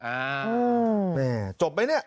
อ่าจบไหมเนี่ย